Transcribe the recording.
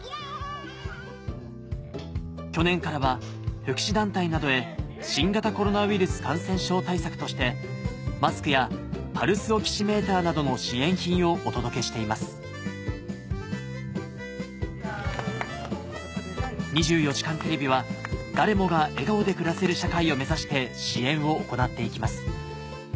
去年からは福祉団体などへ新型コロナウイルス感染症対策としてマスクやパルスオキシメーターなどの支援品をお届けしています『２４時間テレビ』は誰もが笑顔で暮らせる社会を目指して支援を行っていきます